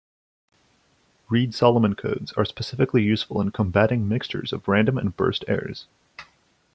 Reed-Solomon codes are specifically useful in combating mixtures of random and burst errors.